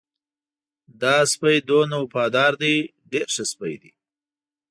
دا سپی دومره وفادار دی ډېر ښه سپی دی.